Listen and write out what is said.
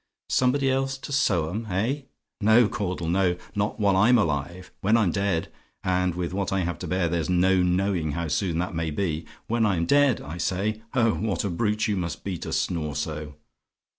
Somebody else to sew 'em, eh? No, Caudle, no: not while I'm alive! When I'm dead and with what I have to bear there's no knowing how soon that may be when I'm dead, I say oh! what a brute you must be to snore so!